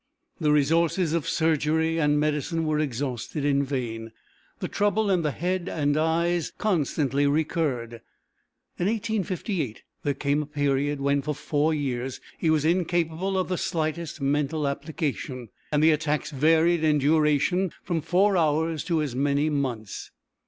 The resources of surgery and medicine were exhausted in vain. The trouble in the head and eyes constantly recurred. In 1858 there came a period when for four years he was incapable of the slightest mental application, and the attacks varied in duration from four hours to as many months.